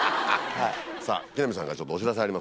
さぁ木南さんからちょっとお知らせありますね。